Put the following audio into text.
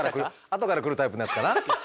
後から来るタイプのやつかな？